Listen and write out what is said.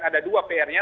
ada dua pr nya